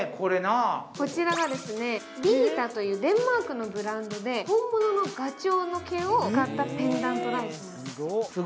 こちらがデンマークのブランドで本物のダチョウの毛を使ったペンダントライトです。